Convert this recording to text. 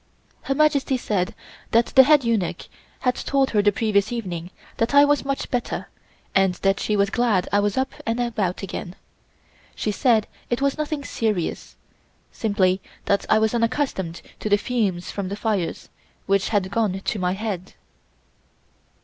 Her Majesty said that the head eunuch had told her the previous evening that I was much better and that she was glad I was up and about again. She said it was nothing serious, simply that I was unaccustomed to the fumes from the fires, which had gone to my head.